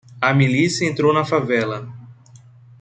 A milícia entrou na favela.